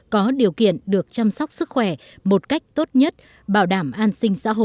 có điều kiện được chăm sóc sức khỏe một cách tốt nhất bảo đảm an sinh xã hội